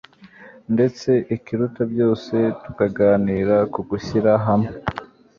ndetse ikiruta byose tukaganira ku gushyira hamwe